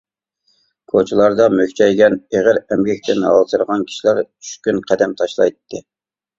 كوچىلاردا مۈكچەيگەن، ئېغىر ئەمگەكتىن ھالسىرىغان كىشىلەر چۈشكۈن قەدەم تاشلايتتى.